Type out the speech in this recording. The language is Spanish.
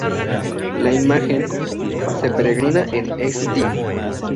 La imagen peregrina en St.